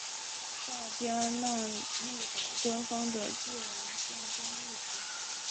大加那利岛官方的自然象征物是。